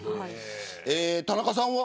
田中さんは。